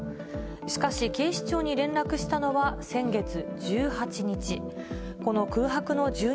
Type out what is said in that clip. しかし、警視庁に連絡したのは先月１８日。